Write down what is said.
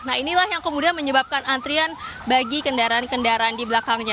nah inilah yang kemudian menyebabkan antrian bagi kendaraan kendaraan di belakangnya